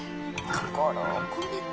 心を込めるって。